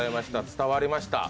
伝わりました。